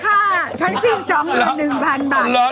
บุตรภาพทั้งสี่สองกว่า๑๐๐๐บาท